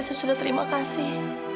saya sudah terima kasih